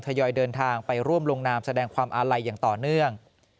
ยอยเดินทางไปร่วมลงนามแสดงความอาลัยอย่างต่อเนื่อง